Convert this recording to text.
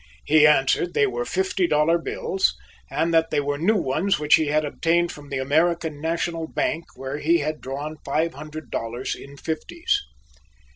He answered they were fifty dollar bills and that they were new ones which he had obtained from the American National Bank where he had drawn five hundred dollars in fifties.